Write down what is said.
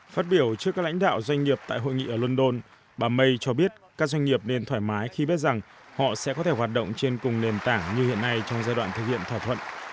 phát biểu trước các lãnh đạo doanh nghiệp tại hội nghị ở london bà may cho biết các doanh nghiệp nên thoải mái khi biết rằng họ sẽ có thể hoạt động trên cùng nền tảng như hiện nay trong giai đoạn thực hiện thỏa thuận